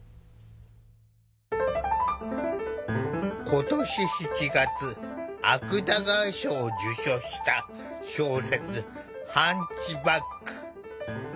今年７月芥川賞を受賞した小説「ハンチバック」。